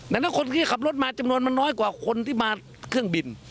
ดังนั้นคนที่ขับรถมาจำนวนมันน้อยกว่าคนที่มาเครื่องบิน